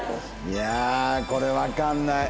いやあこれわかんない。